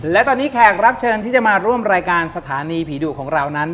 และตอนนี้แขกรับเชิญที่จะมาร่วมรายการสถานีผีดุของเรานั้น